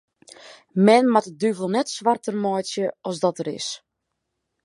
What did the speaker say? Men moat de duvel net swarter meitsje as dat er is.